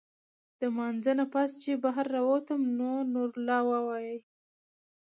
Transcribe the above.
د مانځۀ نه پس چې بهر راووتم نو نورالله وايي